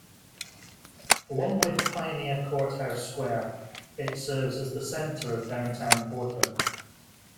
Along with Pioneer Courthouse Square, it serves as the center of downtown Portland.